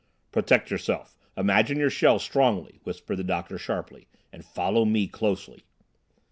"Protect yourself! Imagine your shell strongly," whispered the doctor sharply, "and follow me closely."